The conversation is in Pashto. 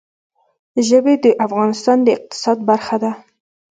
ژبې د افغانستان د اقتصاد برخه ده.